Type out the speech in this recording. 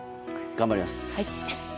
頑張ります。